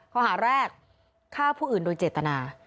ข้อหาแรกฆ่าผู้อื่นโดยเจตนา